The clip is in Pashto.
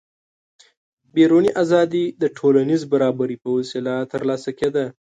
بیروني ازادي د ټولنیز برابري په وسیله ترلاسه کېده.